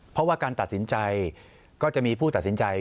เพราะว่าการตัดสินใจก็จะมีผู้ตัดสินใจ